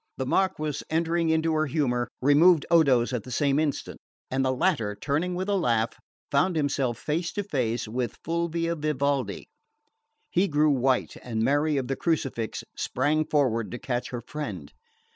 The Marquess, entering into her humour, removed Odo's at the same instant, and the latter, turning with a laugh, found himself face to face with Fulvia Vivaldi. He grew white, and Mary of the Crucifix sprang forward to catch her friend.